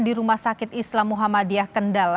di rumah sakit islam muhammadiyah kendal